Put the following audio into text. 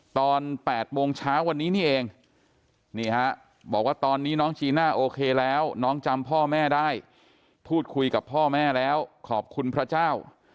ตอน๘โมงเช้าวันนี้นี่เองนี่ฮะบอกว่าตอนนี้น้องจีน่าโอเคแล้วน้องจำพ่อแม่ได้พูดคุยกับพ่อแม่แล้วขอบคุณพระเจ้า